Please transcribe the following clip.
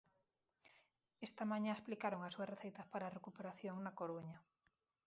Esta mañá explicaron as súas receitas para a recuperación na Coruña.